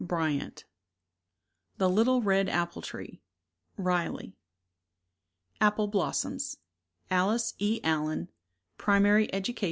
Bryant. 36 The Little Red Apple Tree, Riley. Apple Blossoms, Alice E. Allen. May, 1899.